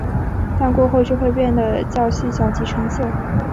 但过后就会变得较细小及沉色。